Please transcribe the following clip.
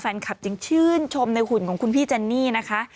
แฟนคลับจึงชื่นชมในหุ่นของคุณพี่เจนนี่นะคะ